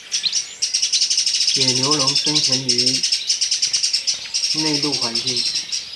野牛龙生存于内陆环境。